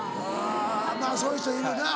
まぁそういう人いるなおう。